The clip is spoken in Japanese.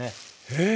へえ。